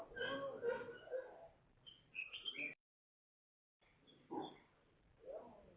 ไม่รู้